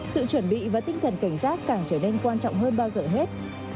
sự chuẩn bị và tinh thần cảnh giác càng trở nên quan trọng hơn bao giờ hết